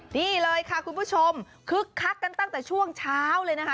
นี่เลยค่ะคุณผู้ชมคึกคักกันตั้งแต่ช่วงเช้าเลยนะคะ